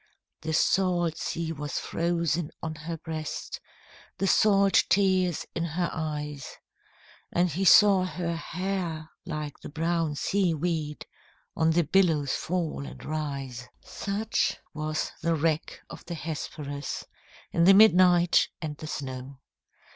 The salt sea was frozen on her breast, The salt tears in her eyes; And he saw her hair like the brown sea weed On the billows fall and rise. Such was the wreck of the Hesperus, In the midnight and the snow!